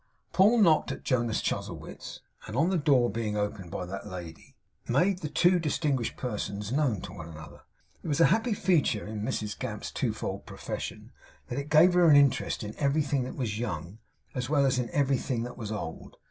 Paul knocked at Jonas Chuzzlewit's; and, on the door being opened by that lady, made the two distinguished persons known to one another. It was a happy feature in Mrs Gamp's twofold profession, that it gave her an interest in everything that was young as well as in everything that was old.